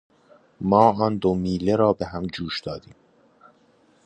ما آن دو میله را به هم جوش دادیم.